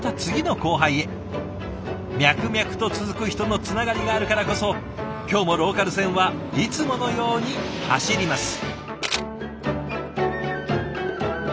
脈々と続く人のつながりがあるからこそ今日もローカル線はいつものように走ります。